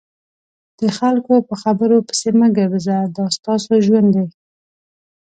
د خلکو په خبرو پسې مه ګرځه دا ستاسو ژوند دی.